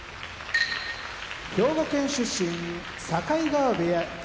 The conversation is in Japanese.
兵庫県出身境川部屋隠岐の海